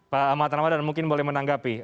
pak ahmad ramadan mungkin boleh menanggapi